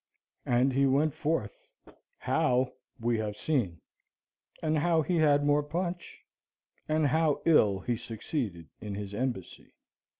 And he went forth how we have seen; and how he had more punch; and how ill he succeeded in his embassy.